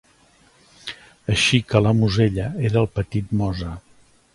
Així que la "Mosella" era el "petit Mosa".